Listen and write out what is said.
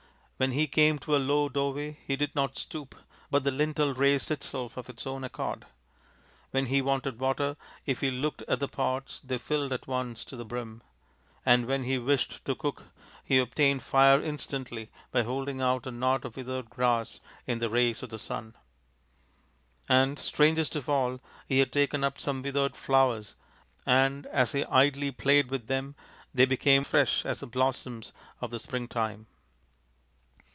When he came to a low doorway he did not stoop, but the lintel raised itself of its own accord ; when he wanted water, if he looked at the pots, they filled at once to the brim ; and when he wished to cook he obtained fire instantly by holding out a knot of withered grass in the rays of the sun. And, strangest of all, he had taken up some withered flowers and as he idly played with them they became as fresh as the blossoms of the springtime."